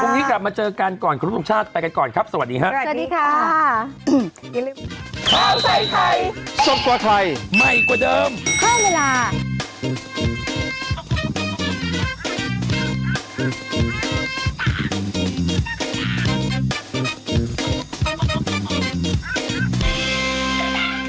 พรุ่งนี้กลับมาเจอกันก่อนคุณศูนย์ทุกชาติไปกันก่อนครับสวัสดีค่ะสวัสดีค่ะ